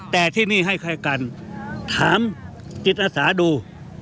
แต่ที่นี่ให้ใครกันถามจิตอาสาดู